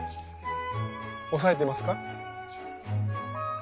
押さえてますか？